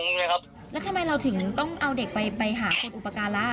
แล้วก็จะเอามาส่งแบบนี้ตลอด